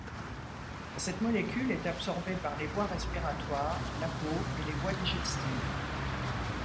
Cette molécule est absorbée par les voies respiratoires, la peau et les voies digestives.